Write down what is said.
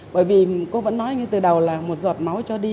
bởi vì cô vẫn nói ngay từ đầu là một giọt máu cho đi